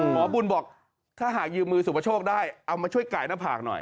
หมอบุญบอกถ้าหากยืมมือสุปโชคได้เอามาช่วยไก่หน้าผากหน่อย